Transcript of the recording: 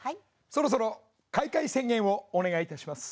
そろそろ開会宣言をお願いいたします。